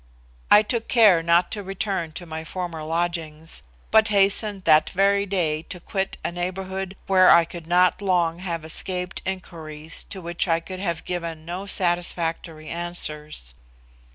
I took care not to return to my former lodging, but hastened that very day to quit a neighbourhood where I could not long have escaped inquiries to which I could have given no satisfactory answers.